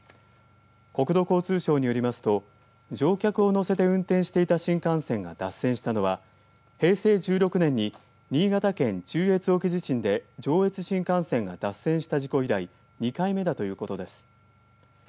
国土交通省によりますと乗客を乗せて運転していた新幹線が脱線したのは平成１６年に新潟県中越沖地震で上越新幹線が脱線した事故以来２回目だということです。